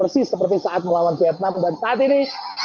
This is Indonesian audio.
persis seperti saat melawan vietnam dan saat ini